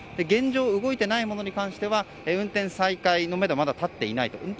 現状、動いていないものに関しては運転再開のめどが立っていないです。